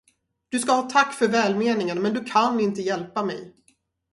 Du ska ha tack för välmeningen, men du kan inte hjälpa mig.